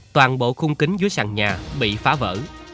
toàn bộ khung kính dưới sàn nhà bị phá vỡ